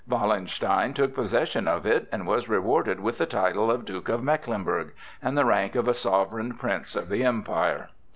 Wallenstein took possession of it and was rewarded with the title of Duke of Mecklenburg and the rank of a sovereign prince of the Empire.